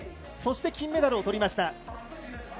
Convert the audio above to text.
そして金メダルをとりました。